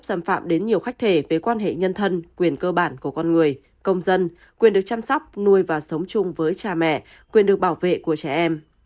xâm phạm đến nhiều khách thể về quan hệ nhân thân quyền cơ bản của con người công dân quyền được chăm sóc nuôi và sống chung với cha mẹ quyền được bảo vệ của trẻ em